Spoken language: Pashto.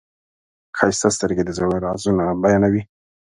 ښایسته سترګې د زړه رازونه بیانوي.